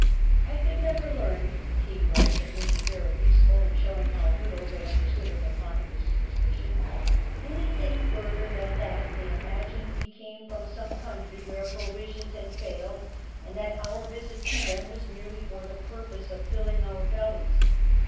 I conltl never learn (King writes — and this is very use ful ill showing how little they understood of the poi)uIar superstition) anything further 'than tliat they imagined we came from some country where i^rovisions had failed, jind tliat our visit to them was merely for the purpose of tilling our bellies.